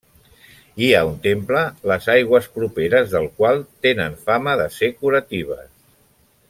Hi ha un temple les aigües properes del qual tenen fama de ser curatives.